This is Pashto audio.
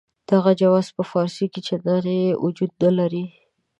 دغه جواز په فارسي کې چنداني وجود نه لري.